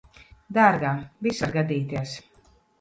Dārgā, viss var gadīties.